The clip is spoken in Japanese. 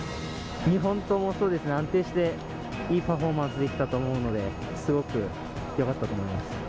２本ともそうですね、安定していいパフォーマンスできたと思うので、すごくよかったと思います。